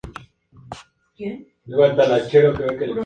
En sus últimos años de vida fue cuidado por su hija Louisa May Alcott.